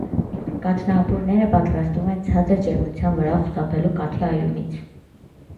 Կաթնապուրները պատրաստում են ցածր ջերմության վրա խուսափելու կաթի այրումից։